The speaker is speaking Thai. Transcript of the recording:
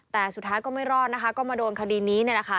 แต่สุดท้ายก็ไม่รอดนะคะก็มาโดนคดีนี้นี่แหละค่ะ